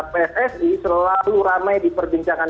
pssi selalu ramai diperbincangkan